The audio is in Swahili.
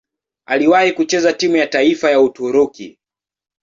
Aliwahi kucheza timu ya taifa ya Uturuki.